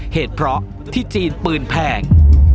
เหตุเพราะที่จีนปืนแพง